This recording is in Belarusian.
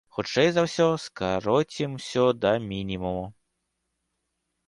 Хутчэй за ўсё, скароцім ўсё да мінімуму.